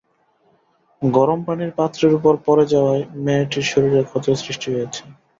গরম পানির পাত্রের ওপর পড়ে যাওয়ায় মেয়েটির শরীরে ক্ষতের সৃষ্টি হয়েছে।